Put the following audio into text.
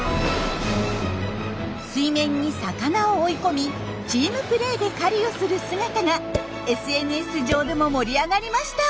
水面に魚を追い込みチームプレーで狩りをする姿がＳＮＳ上でも盛り上がりました。